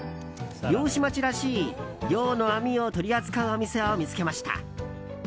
漁師町らしい漁の網を取り扱うお店を見つけました。